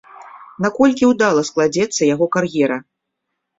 Наколькі ўдала складзецца яго кар'ера?